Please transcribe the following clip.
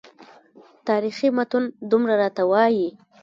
تاریخي متون دومره راته وایي.